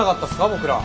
僕ら。